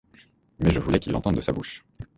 Mais je voulais qu'il l'entende de sa bouche.